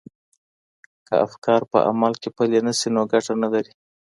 که افکار په عمل کي پلي نه سي نو ګټه نه لري.